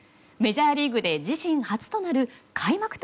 メジャーリーグで自身初となる開幕